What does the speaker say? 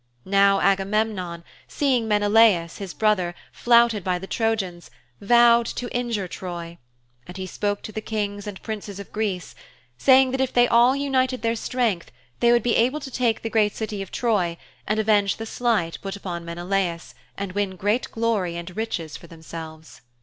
Now Agamemnon, seeing Menelaus, his brother, flouted by the Trojans, vowed to injure Troy. And he spoke to the Kings and Princes of Greece, saying that if they all united their strength they would be able to take the great city of Troy and avenge the slight put upon Menelaus and win great glory and riches for themselves.